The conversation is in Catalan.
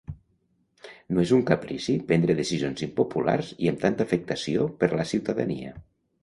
No és un caprici prendre decisions impopulars i amb tanta afectació per la ciutadania.